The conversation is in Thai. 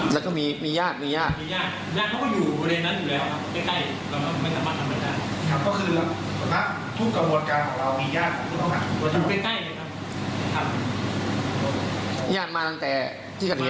ตามเอามาเลยครับตามเอามาจากบ้านเครือ